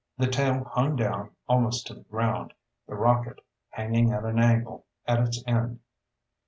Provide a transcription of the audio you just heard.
The tail hung down almost to the ground, the rocket hanging at an angle at its end.